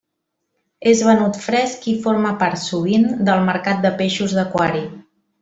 És venut fresc i forma part, sovint, del mercat de peixos d'aquari.